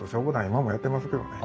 今もやってますけどね。